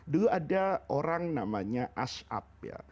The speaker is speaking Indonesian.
dulu ada orang namanya ash'ab ya